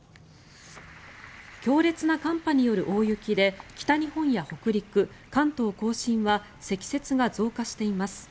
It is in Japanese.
強烈な寒波による大雪で北日本や北陸、関東・甲信は積雪が増加しています。